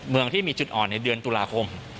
เมืองที่มีจุดอ่อนในเดือนตุลาคม